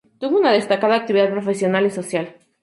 Tuvo una destacada actividad profesional y social.